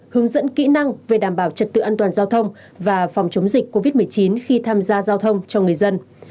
hướng dẫn kỹ năng về đảm bảo trật tự an toàn giao thông và phòng chống dịch covid một mươi chín khi tham gia giao thông cho người dân